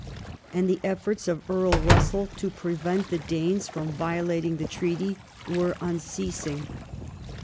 And the efforts of Earl Russell to prevent the Danes from violating the treaty were unceasing.